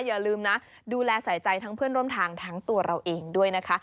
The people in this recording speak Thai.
อย่าลืมนะดูแลใส่ใจทั้งเพื่อนร่วมทางทั้งตัวเราเองด้วยนะคะ